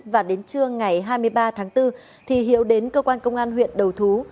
và đến trưa ngày hai mươi ba tháng bốn thì hiếu đến cơ quan công an huyện đầu thú